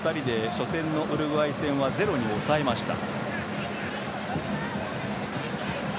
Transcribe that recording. この２人で初戦のウルグアイ戦はゼロに抑えました。